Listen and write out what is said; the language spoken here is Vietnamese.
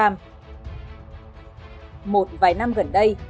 một vài năm gần đây